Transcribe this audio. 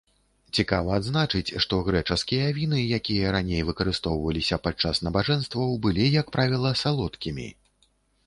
Цікава адзначыць, што грэчаскія віны, якія раней выкарыстоўваліся падчас набажэнстваў, былі, як правіла, салодкімі.